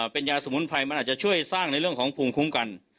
เป็นยาสมุนไพรมันอาจจะช่วยสร้างในเรื่องของภูมิคุ้มกัน